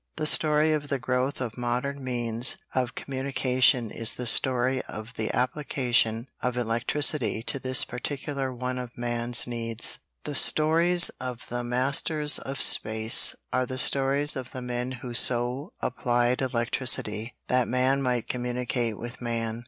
The story of the growth of modern means of communication is the story of the application of electricity to this particular one of man's needs. The stories of the Masters of Space are the stories of the men who so applied electricity that man might communicate with man.